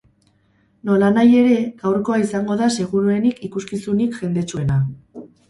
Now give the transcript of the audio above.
Nolanahi ere, gaurkoa izango da seguruenik ikuskizunik jendetsuena.